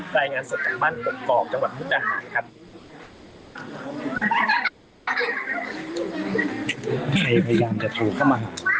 รายงานสดจากบ้านกกอกจังหวัดมุกดาหารครับ